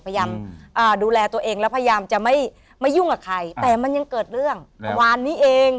พยายามดูแลตัวเองแล้วพยายามจะไม่ไม่ยุ่งกับใครแต่มันยังเกิดเรื่องเมื่อวานนี้เอง